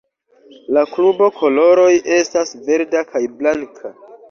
La klubo koloroj estas verda kaj blanka.